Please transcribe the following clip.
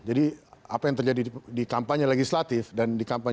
jadi apa yang terjadi di kampanye legislatif dan dikampanye